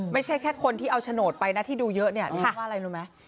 ไม่ใช่แค่คนที่เอาโฉนดไปนะที่ดูเยอะเนี่ยดิฉันว่าอะไรรู้ไหม